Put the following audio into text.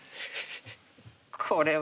これは。